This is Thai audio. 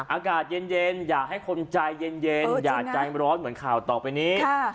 อากาศเย็นอย่าให้คนใจเย็นอย่าใจร้อนเหมือนข่าวต่อไปนี้